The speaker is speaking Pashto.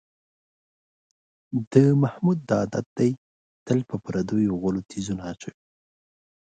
د محمود دا عادت دی، تل په پردیو غولو تیزونه اچوي.